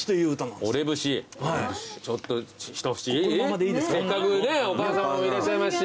せっかくお母さまもいらっしゃいますし。